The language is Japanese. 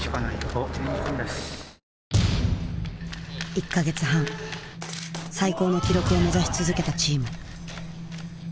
１か月半最高の記録を目指し続けたチーム。